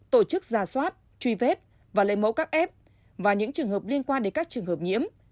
tổ chức ra soát truy vết và lấy mẫu các f và những trường hợp liên quan đến các trường hợp nhiễm